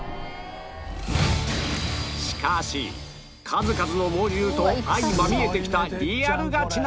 しかし数々の猛獣と相まみえてきたリアルガチな